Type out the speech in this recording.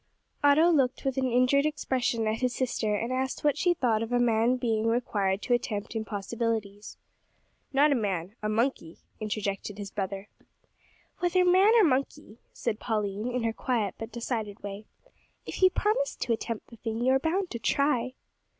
Otto looked with an injured expression at his sister and asked what she thought of a man being required to attempt impossibilities. "Not a man a monkey," interjected his brother. "Whether man or monkey," said Pauline, in her quiet but decided way, "if you promised to attempt the thing, you are bound to try."